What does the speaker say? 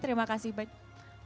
terima kasih banyak